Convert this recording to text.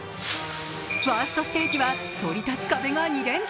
ファーストステージはそり立つ壁が２連続。